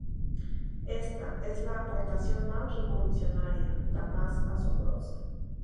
Ésta es la aportación más revolucionaria, la más asombrosa.